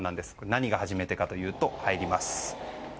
何が初めてかというと入ります。